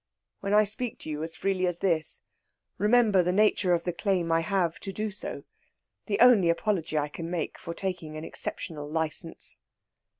"When I speak to you as freely as this, remember the nature of the claim I have to do so the only apology I can make for taking an exceptional licence."